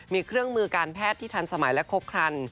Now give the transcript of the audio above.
มีเครื่องมือการแพทย์ที่ทันสมัยและครบครัน